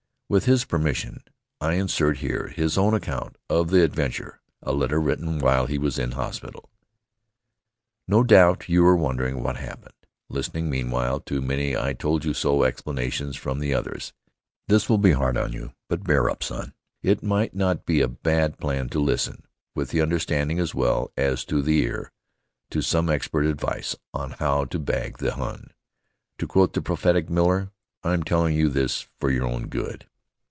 With his permission I insert here his own account of the adventure a letter written while he was in hospital. No doubt you are wondering what happened, listening, meanwhile, to many I told you so explanations from the others. This will be hard on you, but bear up, son. It might not be a bad plan to listen, with the understanding as well as with the ear, to some expert advice on how to bag the Hun. To quote the prophetic Miller, "I'm telling you this for your own good."